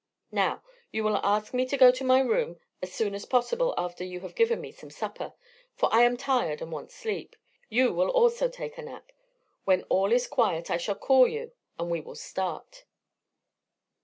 Now, you will ask me to go to my room as soon as possible after you have given me some supper, for I am tired and want sleep. You also will take a nap. When all is quiet I shall call you and we will start."